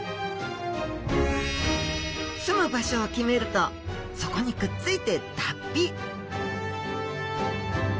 住む場所を決めるとそこにくっついて脱皮！